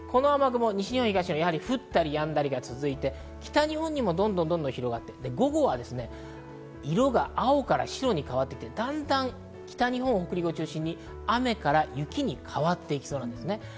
西日本や東日本、降ったりやんだりが続いていて、北日本にも広がっていて、午後は色が青から白に変わっていって、北日本や北陸を中心に雨から雪に変わっていきそうです。